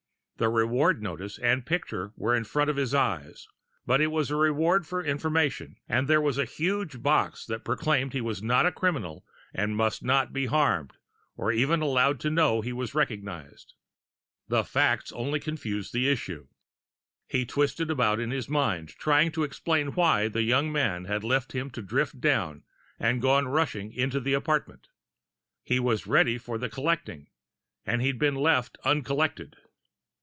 The reward notice and picture were in front of his eyes but it was a reward for information, and there was a huge box that proclaimed he was not a criminal and must not be harmed, or even allowed to know he was recognized. The new facts only confused the issue. He twisted about in his mind, trying to explain why the young man had left him to drift down, and gone rushing into the apartment. He was ready for the collecting and he'd been left uncollected!